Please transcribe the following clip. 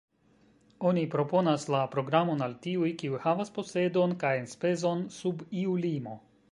Oni proponas la programon al tiuj, kiuj havas posedon kaj enspezon sub iu limo.